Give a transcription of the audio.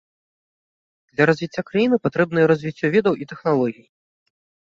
Для развіцця краіны патрэбныя развіццё ведаў і тэхналогій.